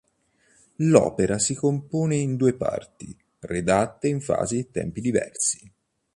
L’opera si compone di due parti redatte in fasi e tempi diversi.